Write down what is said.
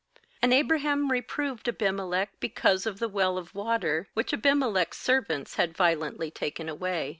^And Abraham reproved Abimelech because of the well of water, which Abimelech's serv ants had violently taken away.